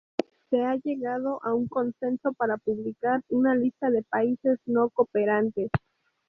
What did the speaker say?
Se ha llegado a un consenso para publicar una ""lista de países no cooperantes"".